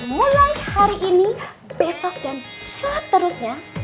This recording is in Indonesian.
mulai hari ini besok dan setelah itu